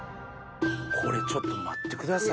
これちょっと待ってください。